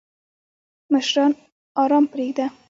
مشران آرام پریږده!